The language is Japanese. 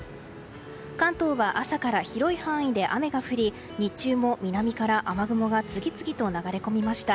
関東は朝から広い範囲で雨が降り日中も南から雨雲が次々と流れ込みました。